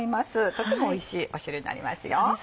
とてもおいしい汁になりますよ。